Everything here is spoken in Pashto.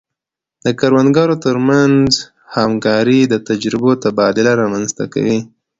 د کروندګرو ترمنځ همکاري د تجربو تبادله رامنځته کوي.